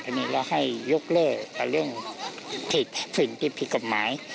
ท่านนี้เราให้ยกเลิกกับเรื่องผิดผิดกับไม้